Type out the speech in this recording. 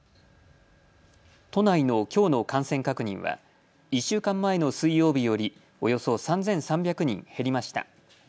都内のきょうの感染確認は１週間前の水曜日よりおよそ３３００人減りました。